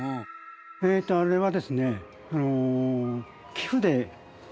えっとあれはですね。